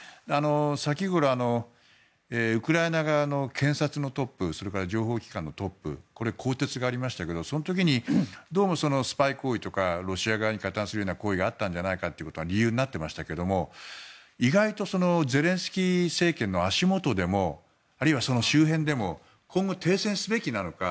先ごろ、ウクライナ側の検察のトップそれから情報機関のトップ更迭がありましたけどその時に、どうもスパイ行為とかロシア側に加担するような行為があったんじゃないかということが理由になっていましたけど意外とゼレンスキー政権の足元でもあるいは、その周辺でも今後、停戦すべきなのか